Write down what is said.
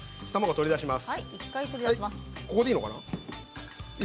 取り出します。